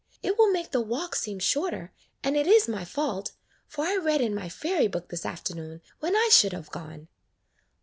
It will make the walk seem shorter, and it is my fault, for I read in my fairy book this afternoon when I should have gone."